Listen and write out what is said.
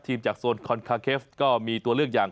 จากโซนคอนคาเคฟก็มีตัวเลือกอย่าง